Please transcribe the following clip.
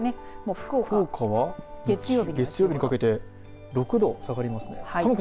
福岡は月曜日にかけて６度下がりますね。